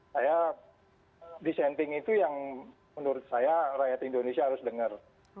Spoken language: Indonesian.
saya dissenting itu yang menurut saya rakyat indonesia harus dengar